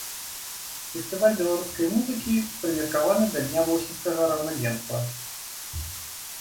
Фестываль беларускай музыкі прымеркаваны да дня восеньскага раўнадзенства.